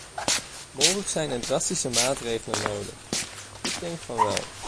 Mogelijk zijn er drastische maatregelen nodig - ik denk van wel.